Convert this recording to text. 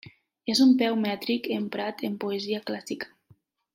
És un peu mètric emprat en poesia clàssica.